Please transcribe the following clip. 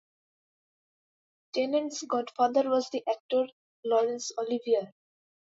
Tennant's godfather was the actor Laurence Olivier.